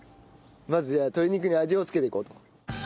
まずじゃあ鶏肉に味を付けていこうと。